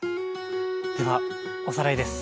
ではおさらいです。